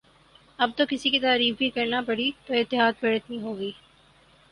اب تو کسی کی تعریف بھی کرنا پڑی تو احتیاط برتنی ہو گی